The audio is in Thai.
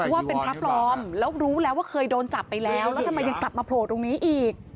ว่าเป็นพระปลอมแล้วรู้แล้วว่าเคยโดนจับไปแล้วแล้วทำไมยังกลับมาโผล่ตรงนี้อีก